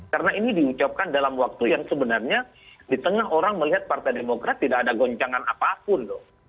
karena ini diucapkan dalam waktu yang sebenarnya di tengah orang melihat partai demokrat tidak ada goncangan apapun